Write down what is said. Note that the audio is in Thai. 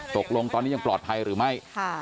ตกลงตอนนี้ยังปลอดภัยหรือไม่